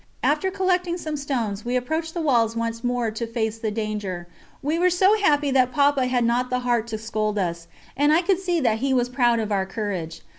After collecting some stones we approached the walls once more to face the danger. We were so happy that Papa had not the heart to scold us, and I could see that he was proud of our courage.